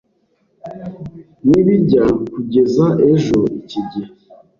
nibijya kugeza ejo iki gihe